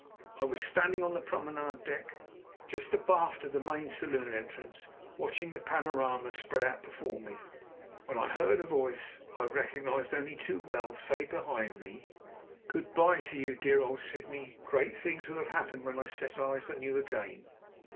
I was standing on the promenade deck, just abaft the main saloon entrance, watching the panorama spread out before me, when I heard a voice I recognized only too well say behind me: "Good bye to you, dear old Sydney. Great things will have happened when I set eyes on you again."